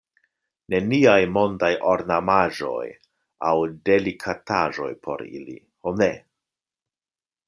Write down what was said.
Neniaj mondaj ornamaĵoj aŭ delikataĵoj por ili, ho ne!